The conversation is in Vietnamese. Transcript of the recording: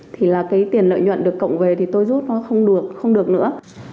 thì là cái tiền lợi nhuận được cộng về thì tôi rút nó không được không được nữa